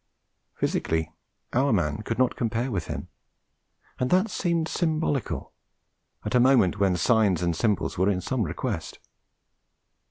Physically our man could not compare with him. And that seemed symbolical, at a moment when signs and symbols were in some request.